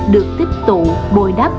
được tích tụ bồi đắp